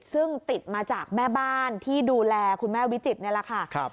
ซึ่งติดมาจากแม่บ้านที่ดูแลคุณแม่วิจิตรนี่แหละค่ะ